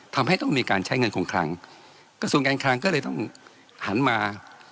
ทำให้ต้องมีการใช้เงินคงคลังกระทรวงการคลังก็เลยต้องหันมา